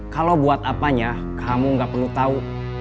kalau buat apanya kamu gak perlu tahu